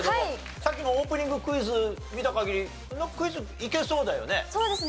さっきのオープニングクイズ見た限りクイズいけそうだよね。